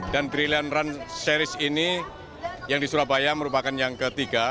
dan brilliant run series ini yang di surabaya merupakan yang ketiga